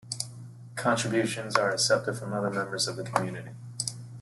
Contributions are accepted from other members of the community.